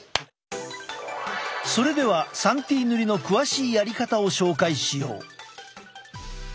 それでは３Ｔ塗りの詳しいやり方を紹介しよう。